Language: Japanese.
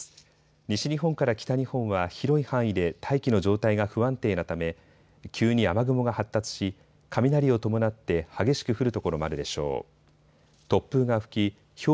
西日本から北日本は広い範囲で大気の状態が不安定なため急に雨雲が発達し、雷を伴って激しく降る所もあるでしょう。